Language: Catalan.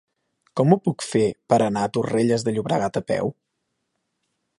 Com ho puc fer per anar a Torrelles de Llobregat a peu?